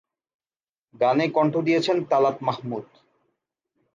গানে কণ্ঠ দিয়েছেন তালাত মাহমুদ।